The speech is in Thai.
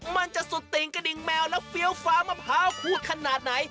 มันจะสุดติ่งกระดิ่งแมวแล้วเฟี้ยวฟ้ามะพร้าวพูดขนาดไหน